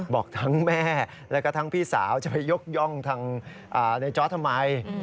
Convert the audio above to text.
บอกทั้งแม่แล้วก็ทั้งพี่สาวจะไปยกย่องทางในจอร์ดทำไม